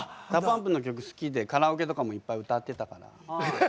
ＤＡＰＵＭＰの曲好きでカラオケとかもいっぱい歌ってたから。